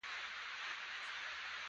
د مډرن فهم بحث پر فروعاتو نه دی.